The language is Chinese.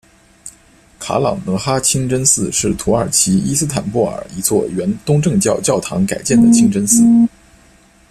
卡朗德哈清真寺是土耳其伊斯坦布尔一座原东正教教堂改建的清真寺。